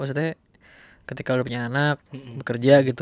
maksudnya ketika udah punya anak bekerja gitu